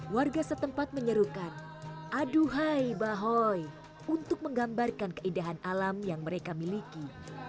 warga setempat menyerukan aduhai bahoy untuk menggambarkan keindahan alam yang mereka miliki